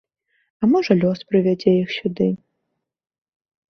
А можа лёс прывядзе іх сюды.